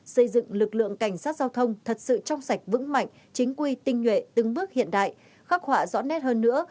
xây dựng lực lượng cảnh sát giao thông thật sự trong sạch vững mạnh chính quy tinh nhuệ từng bước hiện đại khắc họa rõ nét hơn nữa